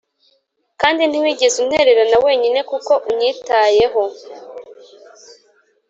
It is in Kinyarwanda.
kandi ntiwigeze untererana wenyine, kuko unyitayeho